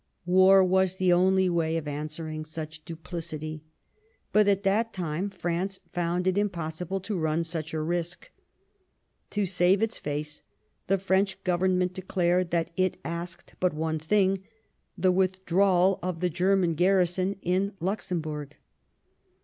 War was the only way of answering such duplicity, but at that time France found it impossible to run such a risk. To save its face, the French Govern ment declared that it asked but one thing — the withdrawal of the German garrison in Luxem burg.